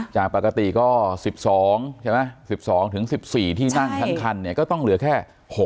จากปกติก็๑๒ถึง๑๔ที่นั่งทั้งคันก็ต้องเหลือแค่๖